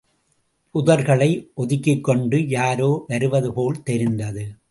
புதர்களை ஒதுக்கிக்கொண்டு யாரோ வருவது போல் தெரிந்தது.